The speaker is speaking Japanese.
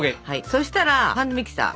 そしたらハンドミキサー。